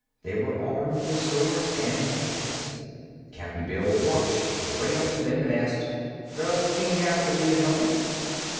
They were armed with swords and lances. Cap'n Bill walked straight up to them and asked: "Does the King happen to be at home?"